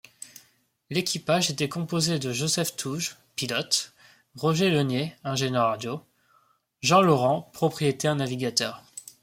L'équipage était composé de Joseph Touge, pilote, Roger Lenier, ingénieur-radio, Jean Laurent, propriétaire-navigateur.